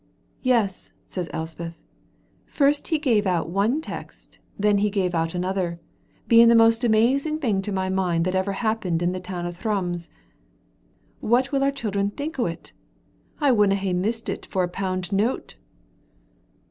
'" "Yes," said Elspeth, "first he gave out one text, and then he gave out another, being the most amazing thing to my mind that ever happened in the town of Thrums. What will our children's children think o't? I wouldna ha'e missed it for a pound note."